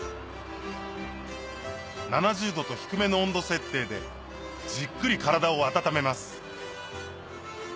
７０℃と低めの温度設定でじっくり体を温めます